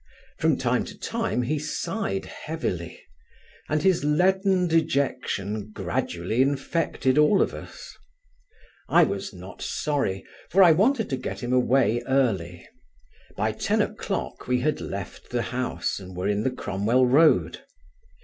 From time to time he sighed heavily, and his leaden dejection gradually infected all of us. I was not sorry, for I wanted to get him away early; by ten o'clock we had left the house and were in the Cromwell Road.